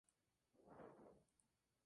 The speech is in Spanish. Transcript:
No tiene numeración de páginas.